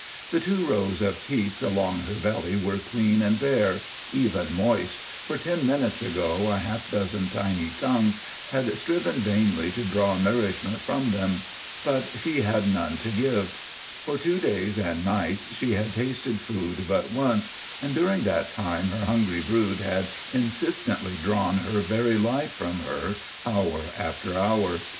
The two rows of teats along her belly were clean and bare—even moist, for ten minutes ago a half dozen tiny tongues had striven vainly to draw nourishment from them. But she had none to give. For two days and nights she had tasted food but once, and during that time her hungry brood had insistently drawn her very life from her hour after hour.